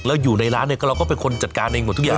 แล้วอยู่ในร้านเนี่ยเราก็เป็นคนจัดการเองหมดทุกอย่าง